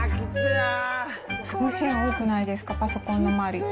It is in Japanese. すごい線多くないですか、パソコンの周りって。